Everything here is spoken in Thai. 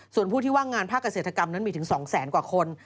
ส่วนผู้ที่ว่างงานภาคเกษตรกรรมนั้นมีถึง๒แสนกว่าคน